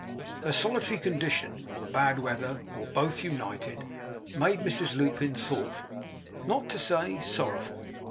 Her solitary condition, or the bad weather, or both united, made Mrs Lupin thoughtful, not to say sorrowful.